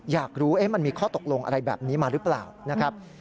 อยากรู้มันมีข้อตกลงอะไรแบบนี้มาหรือเปล่านะครับ